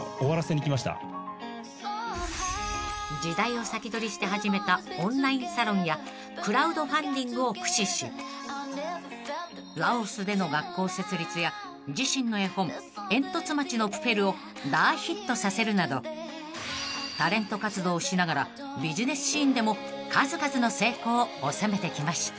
［時代を先取りして始めたオンラインサロンやクラウドファンディングを駆使しラオスでの学校設立や自身の絵本『えんとつ町のプペル』を大ヒットさせるなどタレント活動をしながらビジネスシーンでも数々の成功を収めてきました］